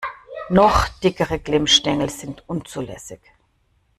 Noch dickere Glimmstängel sind unzulässig.